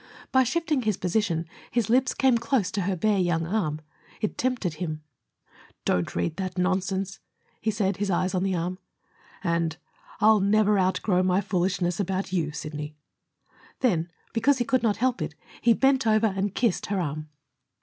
By shifting his position his lips came close to her bare young arm. It tempted him. "Don't read that nonsense," he said, his eyes on the arm. "And I'll never outgrow my foolishness about you, Sidney." Then, because he could not help it, he bent over and kissed her arm.